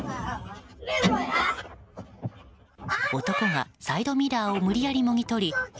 男がサイドミラーを無理やりもぎ取り